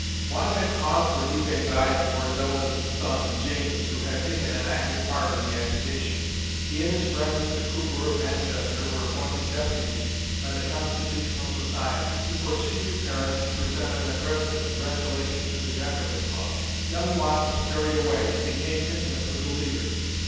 Watt had cause for deep anxiety for his eldest son, James, who had taken an active part in the agitation. He and his friend, Mr. Cooper of Manchester, were appointed deputies by the "Constitutional Society," to proceed to Paris and present an address of congratulation to the Jacobin Club. Young Watt was carried away, and became intimate with the leaders.